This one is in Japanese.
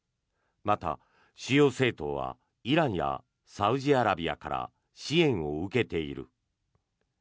また主要政党はイランやサウジアラビアから支援を受けている。